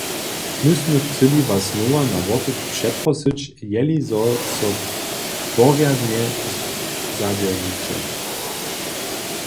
My smy chcyli was znowa na wopyt přeprosyć, jelizo so porjadnje zadźeržiće.